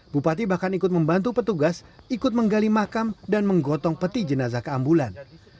bupati bahkan ikut membantu petugas ikut menggali makam dan menggotong peti jenazah keambulan